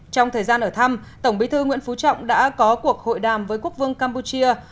trong thời gian ở thăm tổng bí thư nguyễn phú trọng đã có cuộc hội đàm với quốc vương campuchia